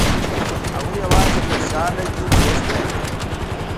هغوی یوازې خوشاله دي پوه شوې!.